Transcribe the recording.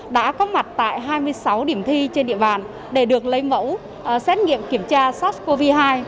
đã có mặt tại hai mươi sáu điểm thi trên địa bàn để được lấy mẫu xét nghiệm kiểm tra sars cov hai